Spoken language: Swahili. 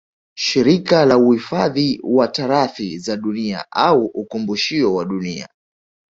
Shirika la Uifadhi wa turathi za dunia au ukumbushio wa Dunia